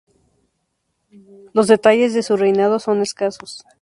Los detalles de su reinado son escasos.